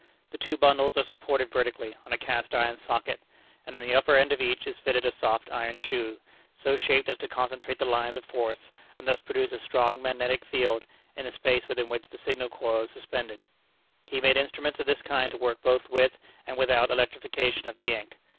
The two bundles are supported vertically on a cast iron socket, and on the upper end of each is fitted a soft iron shoe, so shaped as to concentrate the lines of force and thus produce a strong magnetic field in the space within which the signal coil is suspended. He made instruments of this kind to work both with and without electrification of the ink.